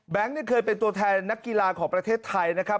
นี่เคยเป็นตัวแทนนักกีฬาของประเทศไทยนะครับ